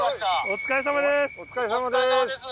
お疲れさまです。